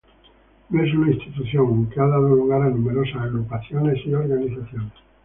No es una institución, aunque ha dado lugar a numerosas agrupaciones y organizaciones.